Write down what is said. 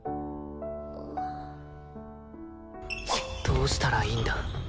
どうしたらいいんだ。